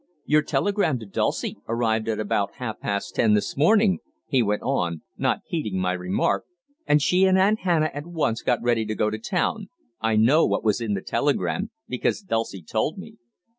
"Your telegram to Dulcie arrived at about half past ten this morning," he went on, not heeding my remark, "and she and Aunt Hannah at once got ready to go to town I know what was in the telegram, because Dulcie told me.